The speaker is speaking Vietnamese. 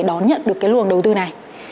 đón nhận được cái luồng đầu tư này